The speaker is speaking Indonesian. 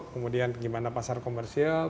kemudian bagaimana pasar komersil